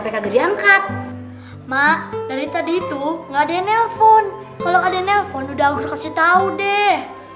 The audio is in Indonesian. kalau ada yang nelfon udah agus kasih tau deh